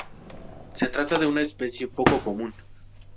Se trata de una especie poco común.